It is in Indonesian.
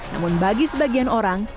namun bagi sebagian orang